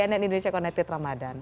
ya terima kasih